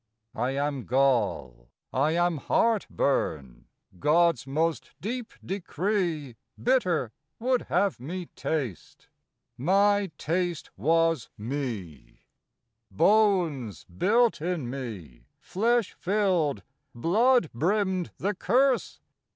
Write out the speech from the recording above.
1 am gall, I am heartburn. God's most deep decree Bitter would have me taste : my taste was me ; Bones built in me, flesh filled, blood brimmed the curse.